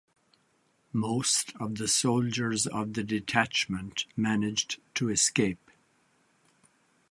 Most of the soldiers of the detachment managed to escape.